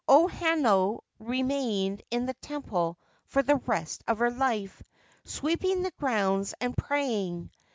O Hanano remained in the temple for the rest of her life, sweeping the grounds, and praying.